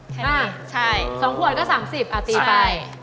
แค่นี้ใช่สองขวดก็๓๐บาทอ่ะตีไป